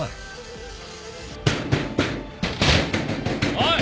おい！